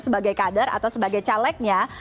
sebagai kader atau sebagai calegnya